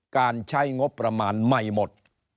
การใช้งบประมาณใหม่หมด